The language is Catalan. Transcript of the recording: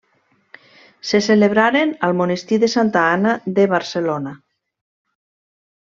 Se celebraren al monestir de Santa Anna de Barcelona.